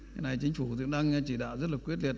cái này chính phủ cũng đang chỉ đạo rất là quyết liệt